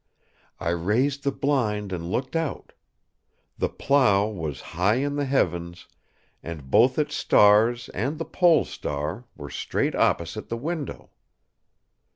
I raised the blind and looked out. The Plough was high in the heavens, and both its stars and the Pole Star were straight opposite the window.